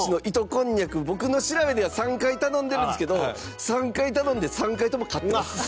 こんにゃく僕の調べでは３回頼んでるんですけど３回頼んで３回とも勝ってます。